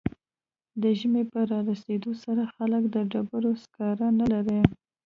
د ژمي په رارسیدو سره خلک د ډبرو سکاره نلري